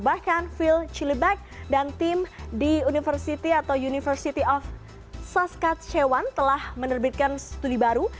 bahkan phil chiliback dan tim di university of saskatchewan telah menerbitkan studi baru